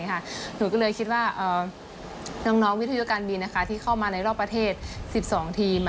หนูก็เลยคิดว่าน้องวิทยุการบินที่เข้ามาในรอบประเทศ๑๒ทีม